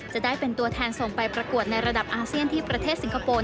จะได้เป็นตัวแทนส่งไปประกวดในระดับอาเซียนที่ประเทศสิงคโปร์